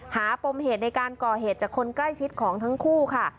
ปมเหตุในการก่อเหตุจากคนใกล้ชิดของทั้งคู่ค่ะ